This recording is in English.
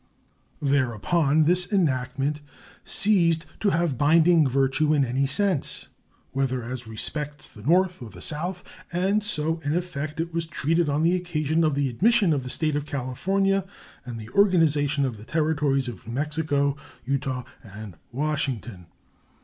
Thereupon this enactment ceased to have binding virtue in any sense, whether as respects the North or the South, and so in effect it was treated on the occasion of the admission of the State of California and the organization of the Territories of New Mexico, Utah, and Washington.